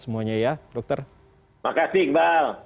semuanya ya dokter makasih iqbal